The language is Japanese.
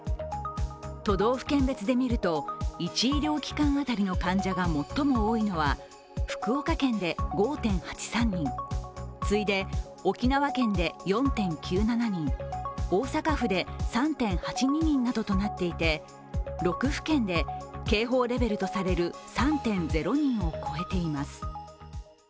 都道府県別で見ると、１医療機関当たりの患者が最も多いのは福岡県で５．８３人、次いで沖縄県で４．９７人、大阪府で３．８２人などとなっていて、６府県で警報レベルとされる３．０人を超えています。